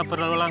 rata tahun lot